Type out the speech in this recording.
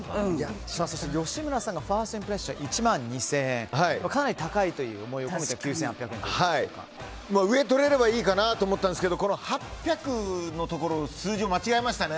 そして吉村さんがファーストインプレッション１万２０００円かなり高いというので上とれればいいかなと思ったんですけど８００のところの数字を間違えましたね。